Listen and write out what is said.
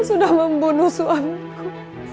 sudah membunuh suamiku